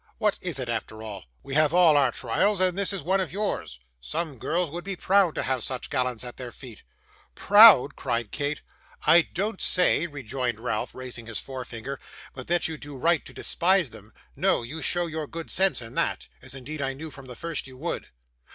What is it after all? We have all our trials, and this is one of yours. Some girls would be proud to have such gallants at their feet.' 'Proud!' cried Kate. 'I don't say,' rejoined Ralph, raising his forefinger, 'but that you do right to despise them; no, you show your good sense in that, as indeed I knew from the first you would.